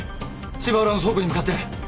芝浦の倉庫に向かって。